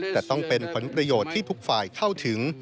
แต่ต้องเป็นผลประโยชน์ที่ทุกฝ่ายเข้าถึง